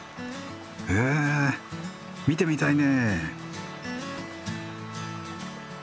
へえ見てみたいね。